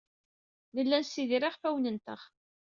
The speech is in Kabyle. Nella nessidir iɣfawen-nteɣ.